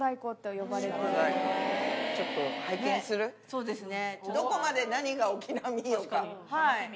そうですね。